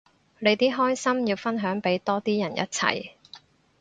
你啲開心要分享俾多啲人一齊